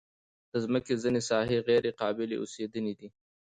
د مځکې ځینې ساحې غیر قابلې اوسېدنې دي.